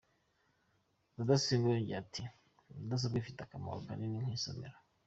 Rudasingwa yongeyeho ati “Mudasobwa ifite akamaro kanini nk’isomero.